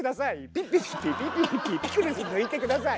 ピッピピッピピッピピッピピクルス抜いて下さい。